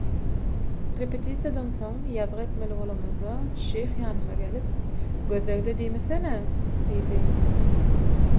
Repetisiýadan soň, ýazgy etmeli bolamyzda, Şyh ýanyma gelip, «Gözlegde» diýmesene» diýdi.